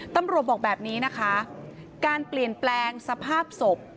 บอกแบบนี้นะคะการเปลี่ยนแปลงสภาพศพ